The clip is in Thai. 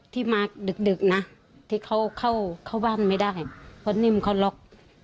ที่มาดึกนะที่เขาเข้าบ้านไม่ได้เพราะนิ่มเขาล็อก